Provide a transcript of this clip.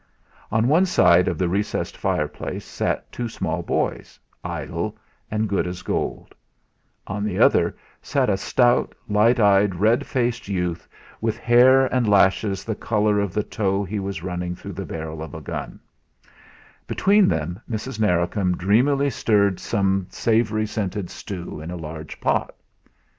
On one side of the recessed fireplace sat two small boys, idle, and good as gold; on the other sat a stout, light eyed, red faced youth with hair and lashes the colour of the tow he was running through the barrel of a gun; between them Mrs. Narracombe dreamily stirred some savoury scented stew in a large pot.